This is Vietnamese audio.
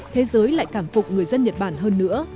thế giới lại cảm phục người dân nhật bản hơn nữa